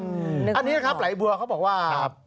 อันนี้นะครับไหลบัวเขาบอกว่า